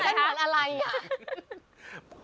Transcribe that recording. แล้วนี่ฉันเหมือนอะไรอ่ะ